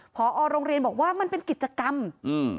พอโรงเรียนบอกว่ามันเป็นกิจกรรมอืม